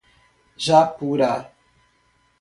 Japurá